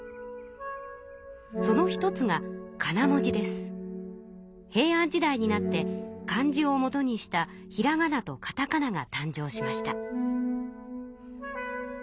その一つが平安時代になって漢字をもとにしたひらがなとかたかなが誕生しました。